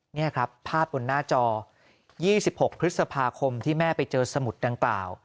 นี่ครับภาพบนหน้าจอ๒๖พฤษภาคมที่แม่ไปเจอสมุดดังกล่าว